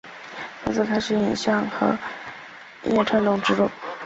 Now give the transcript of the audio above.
从此开启影像与音乐创作之路。